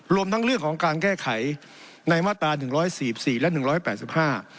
รวมทั้งเรื่องของการแก้ไขในมาตราหนึ่งร้อยสี่สิบสี่และหนึ่งร้อยแปดสิบห้า